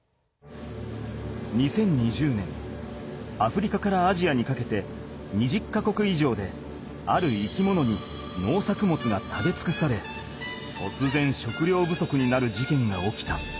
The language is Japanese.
２０２０年アフリカからアジアにかけて２０か国いじょうである生き物に農作物が食べつくされとつぜん食料不足になるじけんが起きた。